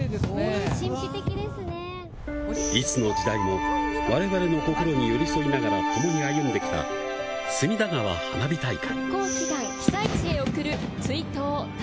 いつの時代も我々の心に寄り添いながら共に歩んできた隅田川花火大会。